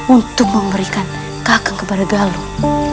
untuk memberikan hakang kepada galuh